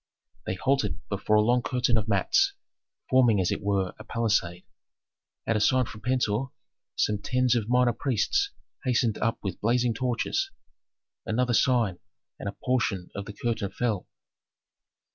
They halted before a long curtain of mats, forming as it were a palisade. At a sign from Pentuer some tens of minor priests hastened up with blazing torches. Another sign, and a portion of the curtain fell.